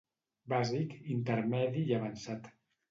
Bàsic, intermedi i avançat.